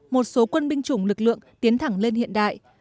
một số quân binh chủng lực lượng tiến thẳng lên hiện đại